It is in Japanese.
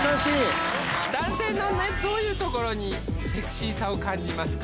「男性のどういうとこにセクシーさを感じますか？」